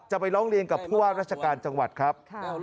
ไปร้องเรียนกับผู้ว่าราชการจังหวัดครับ